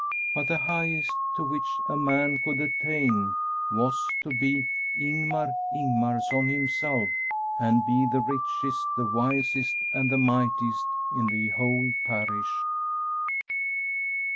But the highest to which a man could attain was to be Ingmar Ingmarson himself, and be the richest, the wisest, and the mightiest in the whole parish.